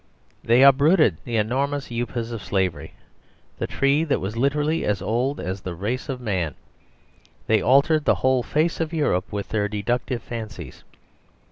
They uprooted the enormous Upas of slavery, the tree that was literally as old as the race of man. They altered the whole face of Europe with their deductive fancies.